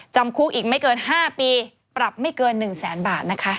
จำคุกอีกไม่เกิน๕ปีปรับไม่เกิน๑แสนบาทนะคะ